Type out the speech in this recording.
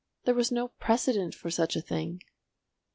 There was no precedent for such a thing.